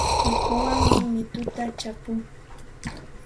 Pikuwanmi mituta chapuu.